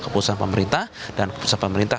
keputusan pemerintah dan keputusan pemerintah